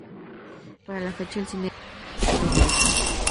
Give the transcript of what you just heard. Para la fecha el cine era una innovación audiovisual.